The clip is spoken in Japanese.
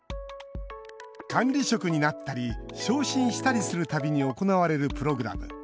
管理職になったり昇進したりする度に行われるプログラム。